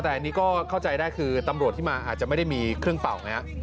แต่อันนี้ก็เข้าใจได้คือตำรวจที่มาอาจจะไม่ได้มีเครื่องเป่าไงฮะ